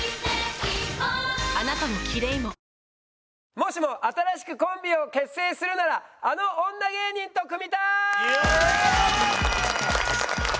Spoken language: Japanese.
もしも新しくコンビを結成するならあの女芸人と組みたい！